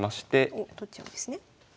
おっ取っちゃうんですね。